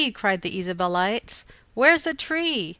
cried the Ysabelites, "where's a tree?"